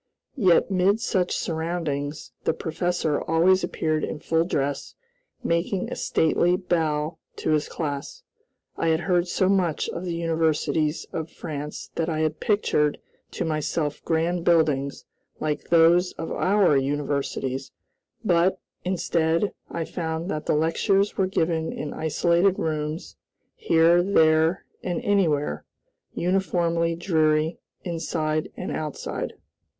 Yet mid such surroundings, the professor always appeared in full dress, making a stately bow to his class. I had heard so much of the universities of France that I had pictured to myself grand buildings, like those of our universities; but, instead, I found that the lectures were given in isolated rooms, here, there, and anywhere uniformly dreary inside and outside.